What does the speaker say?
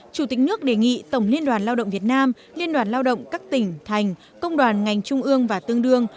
chủ tịch nước đề nghị tổng liên đoàn lao động việt nam liên đoàn lao động các tỉnh thành công đoàn ngành trung ương và tương đương